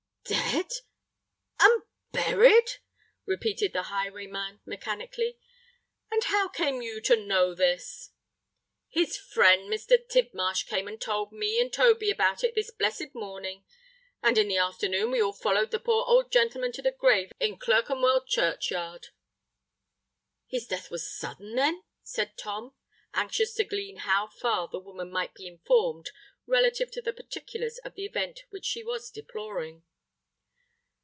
"Dead—and buried!" repeated the highwayman mechanically. "And how came you to know this?" "His friend Mr. Tidmarsh came and told me and Toby about it this blessed morning; and in the afternoon we all followed the poor old gentleman to the grave in Clerkenwell churchyard." "His death was sudden, then?" said Tom, anxious to glean how far the woman might be informed relative to the particulars of the event which she was deploring.